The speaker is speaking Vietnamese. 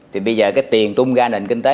thì bây giờ cái tiền tung ra nền kinh tế